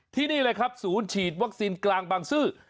ที่นี่เลยครับศูนย์ฉีดวัคซีนกลางบางซื่อ